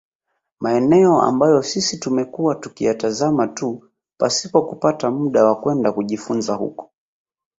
Maeneo ambayo sisi tumekuwa tukiyatazama tu pasipo kupata muda wa kwenda kujifunza huko